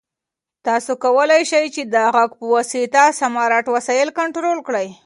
تاسو کولای شئ چې د غږ په واسطه سمارټ وسایل کنټرول کړئ.